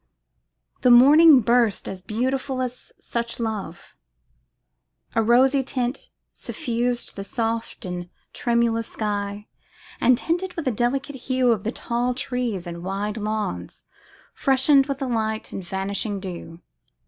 The morning burst as beautiful as such love. A rosy tint suffused the soft and tremulous sky, and tinted with a delicate hue the tall trees and the wide lawns, freshened with the light and vanishing dew.